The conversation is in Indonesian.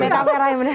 metafora yang benar